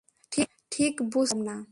ঠিক বুঝতে পারলাম না।